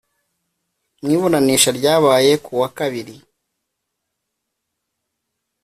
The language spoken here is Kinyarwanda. Mu iburanisha ryabaye ku wa Kabiri